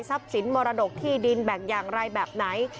สินมรดกที่ดินแบ่งอย่างไรแบบไหน